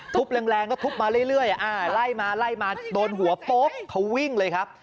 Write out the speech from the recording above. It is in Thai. แรงก็ทุบมาเรื่อยไล่มาไล่มาโดนหัวโป๊กเขาวิ่งเลยครับ